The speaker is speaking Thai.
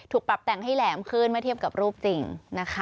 ปรับแต่งให้แหลมขึ้นมาเทียบกับรูปจริงนะคะ